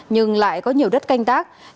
nhưng lại có nhiều đất canh